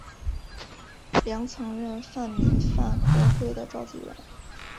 梁曾任泛民饭盒会的召集人。